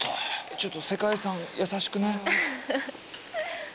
ちょっと世界遺産優しくね。